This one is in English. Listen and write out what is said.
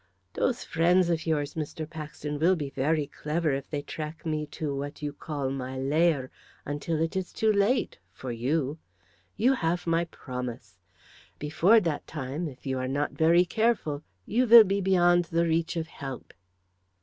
"Those friends of yours, Mr. Paxton, will be very clever if they track me to what you call my lair until it is too late for you! You have my promise. Before that time, if you are not very careful, you will be beyond the reach of help."